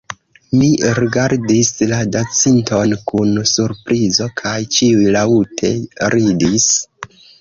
Mi rigardis la dancinton kun surprizo kaj ĉiuj laŭte ridis.